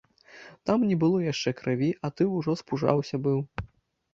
Там не было яшчэ крыві, а ты ўжо спужаўся быў.